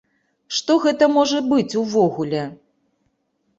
Што гэта можа быць увогуле?